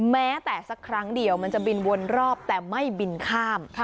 แม้แต่สักครั้งเดียวมันจะบินวนรอบแต่ไม่บินข้าม